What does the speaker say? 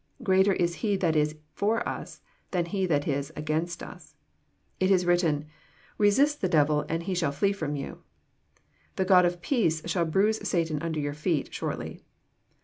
Greater is He that is for us than he that is against us. It is written, " Resist the devil, and he shall flee from you," •—'* The God of peace shall bruise Satan under your feet shortly."